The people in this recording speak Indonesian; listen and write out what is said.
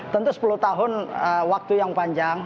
tentu sepuluh tahun waktu yang panjang